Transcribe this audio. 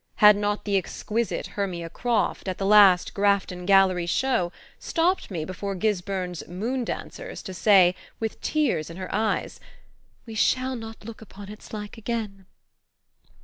Had not the exquisite Hermia Croft, at the last Grafton Gallery show, stopped me before Gisburn's "Moon dancers" to say, with tears in her eyes: "We shall not look upon its like again"?